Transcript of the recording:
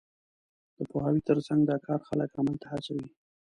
د پوهاوي تر څنګ، دا کار خلک عمل ته هڅوي.